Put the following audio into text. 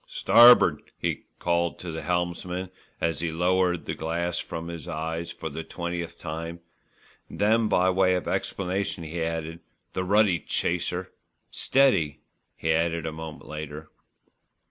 "Starb'd," he called to the helmsman as he lowered the glass from his eyes for the twentieth time, then by way of explanation added, "The ruddy chaser." "Steady," he added a moment later.